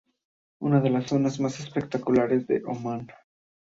Es una de las zonas más espectaculares de Omán.